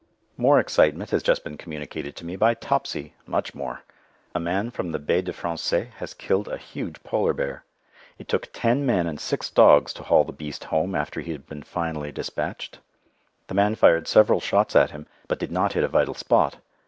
More excitement has just been communicated to me by Topsy: much more. A man from the Baie des Français has killed a huge polar bear. It took ten men and six dogs to haul the beast home after he had been finally dispatched. The man fired several shots at him, but did not hit a vital spot.